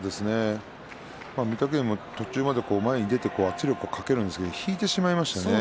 御嶽海は途中まで前に出て圧力をかけるんですけど引いてしまいましたね。